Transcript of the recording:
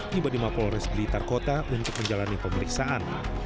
tiba di mapolres blitar kota untuk menjalani pemeriksaan